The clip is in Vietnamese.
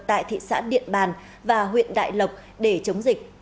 tại thị xã điện bàn và huyện đại lộc để chống dịch